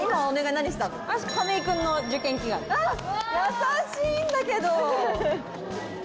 優しいんだけど。